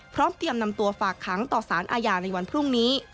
เตรียมนำตัวฝากขังต่อสารอาญาในวันพรุ่งนี้